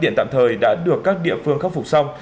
hiện tạm thời đã được các địa phương khắc phục xong